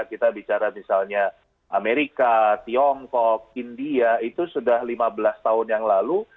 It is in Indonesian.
kita bicara misalnya amerika tiongkok india itu sudah lima belas tahun yang lalu